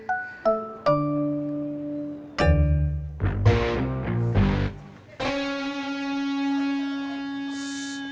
tidak bang udien